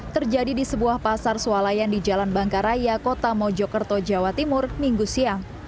terjadi di sebuah pasar sualayan di jalan bangkaraya kota mojokerto jawa timur minggu siang